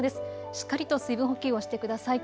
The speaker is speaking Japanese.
しっかりと水分補給をしてください。